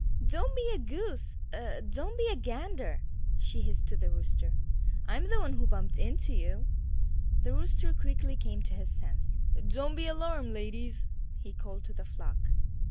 "Don't be a goose er don't be a gander!" she hissed to the Rooster. "I'm the one that bumped into you." The Rooster quickly came to his senses. "Don't be alarmed, ladies!" he called to the flock.